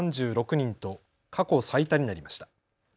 人と過去最多になりました。